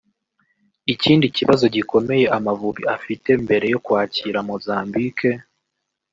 Ikindi kibazo gikomeye Amavubi afite mbere yo kwakira Mozambique